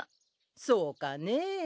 そうかねぇ。